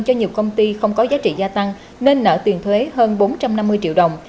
cho nhiều công ty không có giá trị gia tăng nên nợ tiền thuế hơn bốn trăm năm mươi triệu đồng